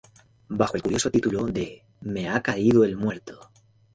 Bajo el curioso título de "¡Me ha caído el muerto!